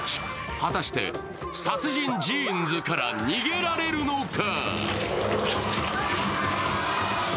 果たして殺人ジーンズから逃げられるのか。